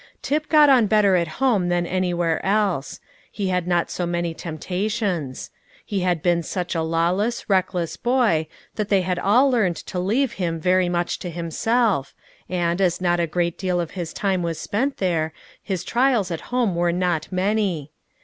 Tip got on better at home than anywhere else; he had not so many temptations. He had been such a lawless, reckless boy, that they had all learned to leave him very much to himself, and, as not a great deal of his time was spent there, his trials at home were not many.